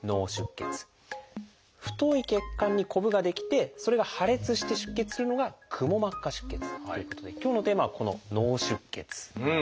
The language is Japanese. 太い血管にこぶが出来てそれが破裂して出血するのが「くも膜下出血」ということで今日のテーマはこの「脳出血」なんです。